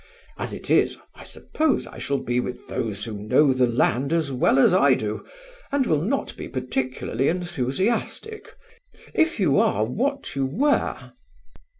As it is, I suppose I shall be with those who know the land as well as I do, and will not be particularly enthusiastic: if you are what you were?"